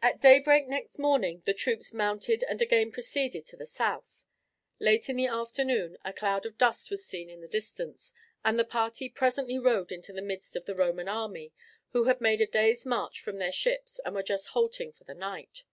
At daybreak next morning the troops mounted and again proceeded to the south. Late in the afternoon a cloud of dust was seen in the distance, and the party presently rode into the midst of the Roman army, who had made a day's march from their ships and were just halting for the night.